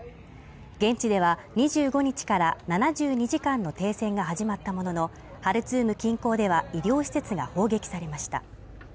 現地では２５日から７２時間の停戦が始まったものの、ハルツーム近郊では、医療施設が砲撃されました。